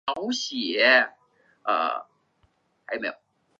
苏萨梅尔是吉尔吉斯斯坦楚河州加依勒区下辖的一个村。